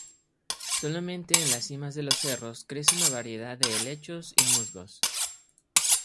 Solamente en las cimas de los cerros crece una variedad de helechos y musgos.